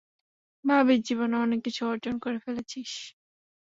ভাবিস জীবনে অনেক কিছু অর্জন করে ফেলেছিস।